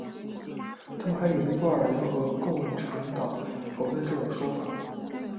他们还与尼泊尔联合共产党否认此种说法。